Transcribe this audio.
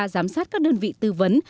giám sát các đơn vị tư vấn